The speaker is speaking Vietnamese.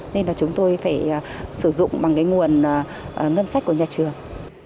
nên là chúng tôi phải sử dụng bằng cái nguồn ngân sách của nhà trường